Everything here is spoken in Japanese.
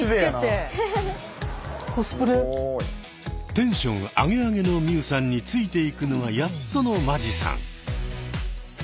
テンションアゲアゲの海さんについていくのがやっとの間地さん。